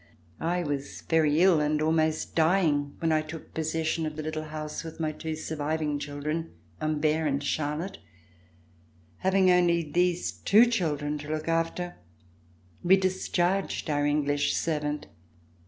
I was very ill and almost dying when I took possession of the little house with my two surviving children, Humbert and Charlotte. Having only these two children to look after, we discharged our English servant.